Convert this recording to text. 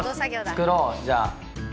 ・作ろうじゃあ・